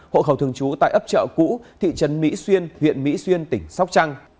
hộ khẩu thường trú tại ấp chợ cũ thị trấn mỹ xuyên huyện mỹ xuyên tỉnh sóc trăng